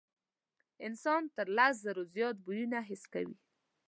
انسان تر لس زرو زیات بویونه حس کوي.